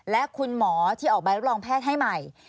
และคุณหมอที่ออกใบรับรองแพทย์ให้ใหม่